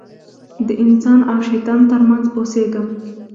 د انسان او شیطان تر منځ اوسېږم.